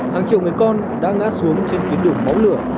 hàng triệu người con đã ngã xuống trên tuyến đường máu lửa